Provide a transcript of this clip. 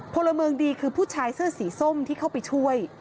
พลเมืองดีคือผู้ชายเสื้อสีส้มที่เข้าไปช่วย